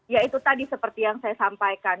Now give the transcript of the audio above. ya itu tadi seperti yang saya sampaikan